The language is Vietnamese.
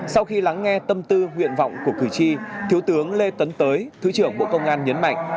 sau khi lắng nghe tâm tư nguyện vọng của cử tri thiếu tướng lê tấn tới thứ trưởng bộ công an nhấn mạnh